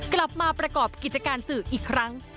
กลับมาประกอบกิจการสื่ออีกครั้ง